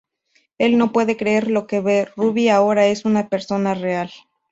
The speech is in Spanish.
Él no puede creer lo que ve, Ruby ahora es una persona real.